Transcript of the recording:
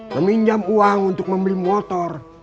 meminjam uang untuk membeli motor